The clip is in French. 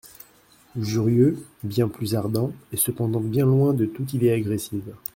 Jurieu, bien plus ardent, est cependant bien loin de toute idée agressive.